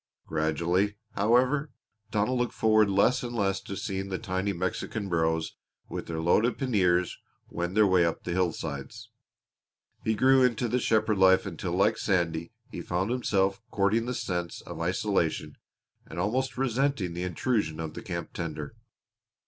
Gradually, however, Donald looked forward less and less to seeing the tiny Mexican burros with their loaded paniers wend their way up the hillsides. He grew into the shepherd life until like Sandy he found himself courting the sense of isolation and almost resenting the intrusion of the camp tender.